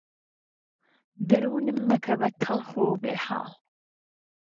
دوروونم مهکه به تهڵخ وبێ حاڵ